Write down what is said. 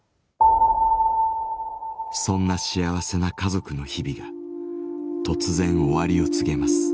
そんな幸せな家族の日々が突然終わりを告げます。